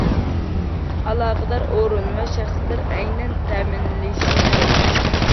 ئالاقىدار ئورۇن ۋە شەخسلەر ئەينەن تەمىنلىشى كېرەك.